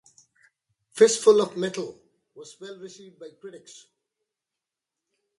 "Fistful of Metal" was well received by critics.